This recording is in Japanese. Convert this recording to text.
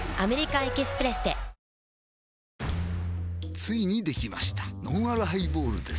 ついにできましたのんあるハイボールです